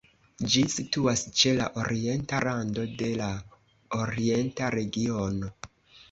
Ĝi situas ĉe la orienta rando de la Orienta Regiono.